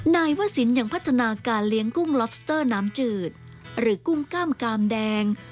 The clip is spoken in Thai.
นายวศิลป์ยังพัฒนาการเลี้ยงกุ้งล็อบสเตอร์น้ำจืดหรือกุ้งกล้ามกามแดง